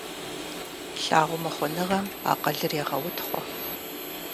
Лъагъумыхъуныгъэм акъылыр егъэутхъуэ.